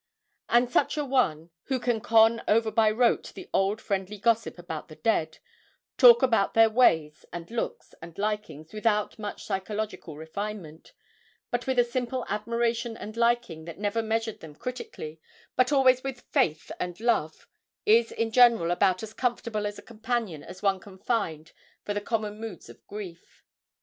And such a one, who can con over by rote the old friendly gossip about the dead, talk about their ways, and looks, and likings, without much psychologic refinement, but with a simple admiration and liking that never measured them critically, but always with faith and love, is in general about as comfortable a companion as one can find for the common moods of grief.